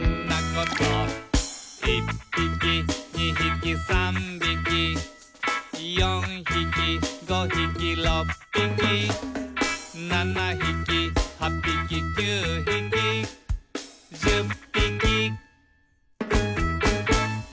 「１ぴき２ひき３びき」「４ひき５ひき６ぴき」「７ひき８ぴき９ひき」「１０ぴき」